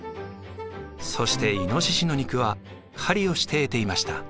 そしてイノシシの肉は狩りをして得ていました。